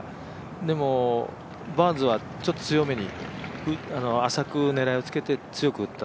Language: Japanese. でもバーンズはちょっと強めに浅く狙いをつけて強く打った。